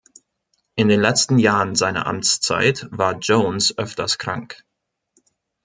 In den letzten Jahren seiner Amtszeit war Jones öfters krank.